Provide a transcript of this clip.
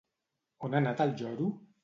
On ha anat el lloro?